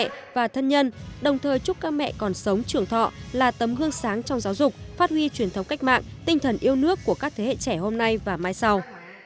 các thầy và thân nhân đồng thời chúc các mẹ còn sống trường thọ là tấm gương sáng trong giáo dục phát huy truyền thống cách mạng tinh thần yêu nước của các thế hệ trẻ hôm nay và mai sau